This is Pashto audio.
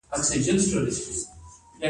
ایا زه باید پیپسي وڅښم؟